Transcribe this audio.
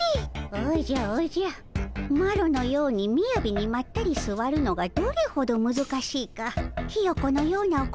おじゃおじゃマロのようにみやびにまったりすわるのがどれほどむずかしいかヒヨコのようなお子ちゃまには分からぬでおじゃる。